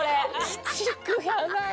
鬼畜やばい。